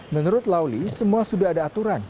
menurut lauli semua sudah ada aturan